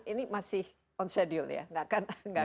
ini masih on schedule ya